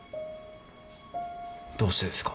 どうしてですか？